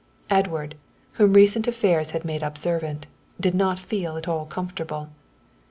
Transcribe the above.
Edward, whom recent affairs had made observant, did not feel at all comfortable.